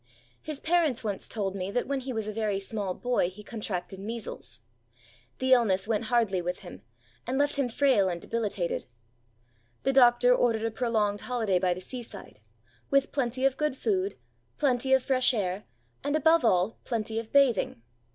His parents once told me that when he was a very small boy he contracted measles. The illness went hardly with him, and left him frail and debilitated. The doctor ordered a prolonged holiday by the seaside, with plenty of good food, plenty of fresh air, and, above all, plenty of bathing.